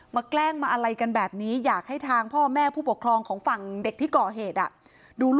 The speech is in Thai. แกล้งมาอะไรกันแบบนี้อยากให้ทางพ่อแม่ผู้ปกครองของฝั่งเด็กที่ก่อเหตุ